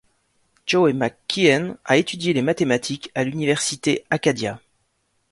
Joe McKeehen a étudié les mathématiques à l'Université Acadia.